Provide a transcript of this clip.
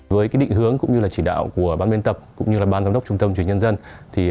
với định hướng cũng như chỉ đạo của ban biên tập cũng như ban giám đốc trung tâm truyền hình nhân dân